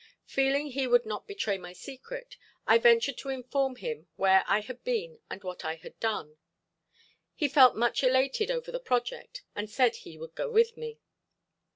Feeling he would not betray my secret, I ventured to inform him where I had been and what I had done. He felt much elated over the project and said he would go with me.